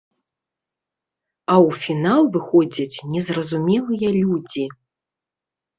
А ў фінал выходзяць незразумелыя людзі.